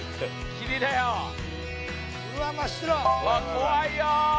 怖いよ。